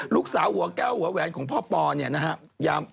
ลูกสาวหัวแก้วหัวแหวนของพ่อปอเนี่ยนะฮะ